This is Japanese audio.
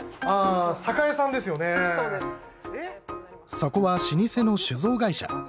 そこは老舗の酒造会社。